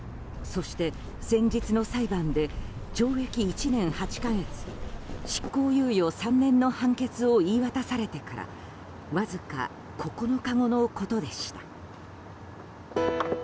そして、先日の裁判で懲役１年８か月執行猶予３年の判決を言い渡されてからわずか９日後のことでした。